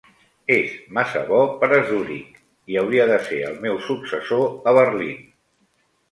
És massa bo per a Zurich i hauria de ser el meu successor a Berlin.